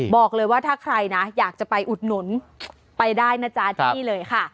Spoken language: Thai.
บอกเลยว่าถ้าใครนะอยากจะไปอุดหนุนไปได้นะจ๊ะที่นี่เลยค่ะ